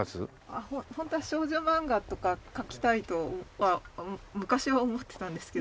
あっホントは少女漫画とか描きたいとは昔は思ってたんですけど。